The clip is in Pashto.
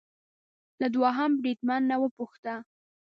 له دوهم بریدمن نه وپوښته